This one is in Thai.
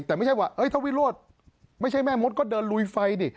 แต่ไม่ใช่ว่าถ้าวิโรธไม่ใช่แม่มดก็เดินลุยไฟดิ